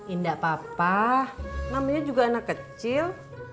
indah papa mamanya juga anak kecil